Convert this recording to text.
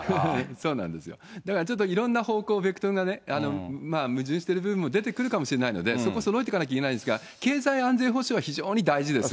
そうなんですよ、だから、ちょっといろんな方向、ベクトルが矛盾している部分も出てくるかもしれないので、そこ、そろえていかなきゃいけないんですが、経済安全保障は非常に大事です。